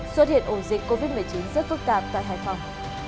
xuất hiện ổ dịch covid một mươi chín rất phức tạp tại hải phòng